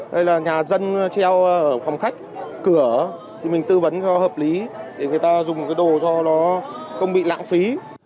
hay là nhà dân treo ở phòng khách cửa thì mình tư vấn cho hợp lý để người ta dùng một cái đồ cho nó không bị lãng phí